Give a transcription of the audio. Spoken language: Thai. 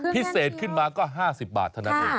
พิเศษขึ้นมาก็๕๐บาทเท่านั้นเอง